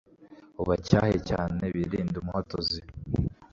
ubacyahe cyane bilinde umuhotozi